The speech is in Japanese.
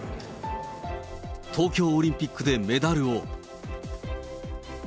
東京オリンピックでメダルを。